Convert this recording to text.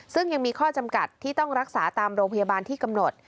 ซึ่งยังมีข้อจำกัดที่ต้องรักษาตามโรงพยาบาลที่กำหนด